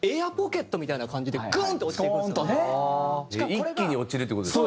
一気に落ちるって事ですか？